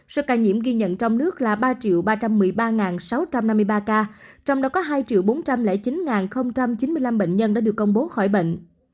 số ca nhiễm ghi nhận trong nước là ba ba trăm một mươi ba sáu trăm năm mươi ba ca trong đó có hai bốn trăm linh chín chín mươi năm bệnh nhân đã được công bố khỏi bệnh